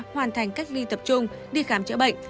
hoàn thành cách ly tập trung đi khám chữa bệnh